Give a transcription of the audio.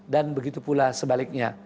dan begitu pula sebaliknya